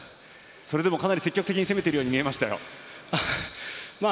それでもかなり積極的に攻めてるように見えましたよ。